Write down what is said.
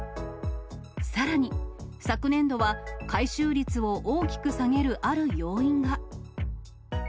さらに、昨年度は回収率を大きく下げるある要因が。